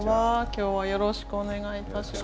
今日はよろしくお願いいたします。